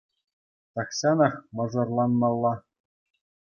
Тахҫанах мӑшӑрланмалла.